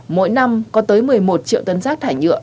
mỗi năm có tới một mươi một triệu tấn rác thải nhựa